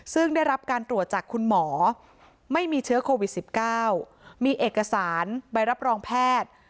ซึ่งได้รับการตรวจจากคุณหมอไม่มีเชื้อโควิด๑๙มีเอกสารใบรับรองแพทย์